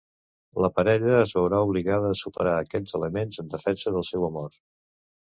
La parella es veurà obligada a superar aquests elements en defensa del seu amor.